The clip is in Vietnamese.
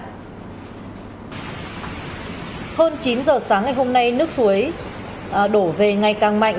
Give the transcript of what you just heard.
hơn chín giờ sáng ngày hôm nay nước suối đổ về ngày càng mạnh